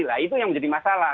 nah itu yang menjadi masalah